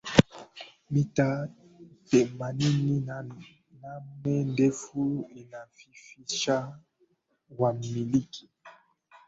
Mita themanini na name ndefu inafifisha wamiliki